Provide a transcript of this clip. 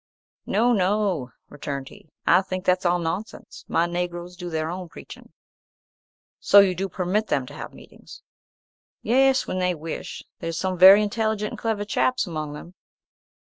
"No, no," returned he, "I think that's all nonsense; my Negroes do their own preaching." "So you do permit them to have meetings." "Yes, when they wish. There's some very intelligent and clever chaps among them."